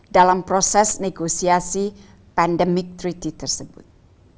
dalam proses negosiasi pandemic treaty tersebut